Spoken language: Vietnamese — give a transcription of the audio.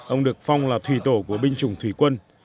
ông được phong là thủy tổ của binh chủng thủy quân